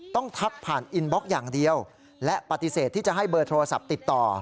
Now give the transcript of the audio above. ทักผ่านอินบล็อกอย่างเดียวและปฏิเสธที่จะให้เบอร์โทรศัพท์ติดต่อ